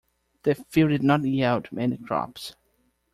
The field did not yield many crops.